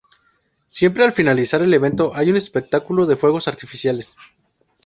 Siempre al finalizar el evento hay un espectáculo de fuegos artificiales.